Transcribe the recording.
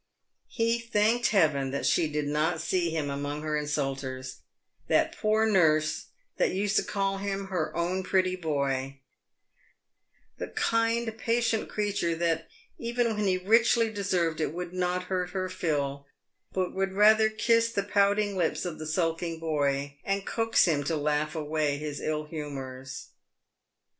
He thanked Heaven that she did not see him among her insulters — that poor nurse that used to call him her " own pretty boy ;" the kind, patient creature that, even when he richly deserved it, would not hurt her Phil, but would rather kiss the pouting lips of the sulking boy, and coax him to laugh away his ill humours.